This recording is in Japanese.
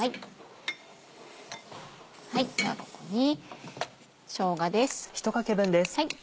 ではここにしょうがです。